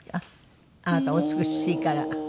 あなたお美しいから。